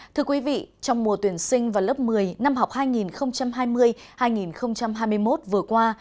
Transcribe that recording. thưa quý vị trong mùa tuyển sinh vào lớp một mươi năm học hai nghìn hai mươi hai nghìn hai mươi một vừa qua